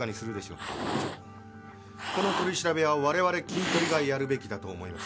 部長この取り調べは我々キントリがやるべきだと思います。